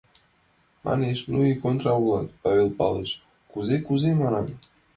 Манеш: «Ну и контра улат, Павел Павлыч...» — «Кузе кузе», — манам.